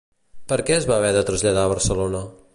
Per què es va haver de traslladar a Barcelona?